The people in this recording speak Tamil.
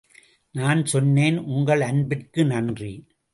நான் சொன்னேன், உங்கள் அன்பிற்கு நன்றி.